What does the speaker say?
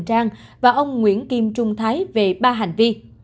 trần trang và ông nguyễn kim trung thái về ba hành vi